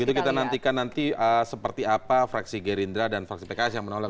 itu kita nantikan nanti seperti apa fraksi gerindra dan fraksi pks yang menolak